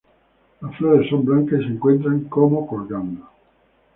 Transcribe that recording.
Las flores son blancas y se encuentran como colgando.